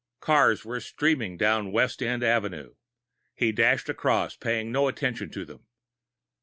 Cars were streaming down West End Avenue. He dashed across, paying no attention to them.